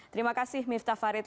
terima kasih miftah farid